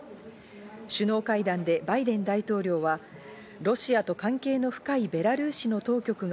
首脳会談でバイデン大統領はロシアと関係の深いベラルーシの当局が